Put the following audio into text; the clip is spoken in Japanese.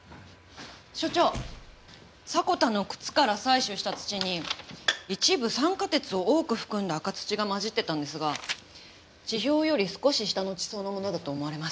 所長迫田の靴から採取した土に一部酸化鉄を多く含んだ赤土が混じってたんですが地表より少し下の地層のものだと思われます。